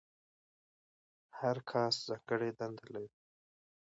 هر کاسټ ځانګړې دنده لرله.